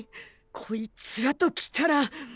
こいつらときたら。